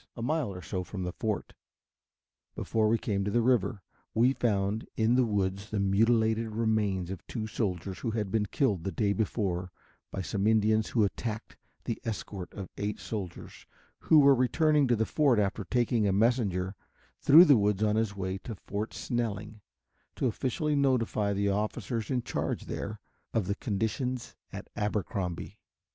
A mile or so from the fort, before we came to the river, we found in the woods the mutilated remains of two soldiers who had been killed the day before by some Indians who attacked the escort of eight soldiers who were returning to the fort after taking a messenger through the woods on his way to Fort Snelling to officially notify the officers in charge there, of the conditions at Abercrombie.